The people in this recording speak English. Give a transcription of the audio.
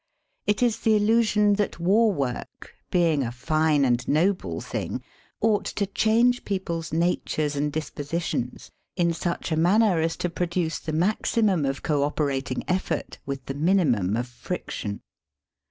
It is the illusion that war work, being a fine and noble thing, ought to change people's natures and dispositions, in such a manner as to produce the maximum of co operat ing efi^ort with the minimum of friction.